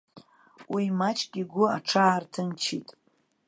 Уи маҷк игәы аҽаарҭынчит.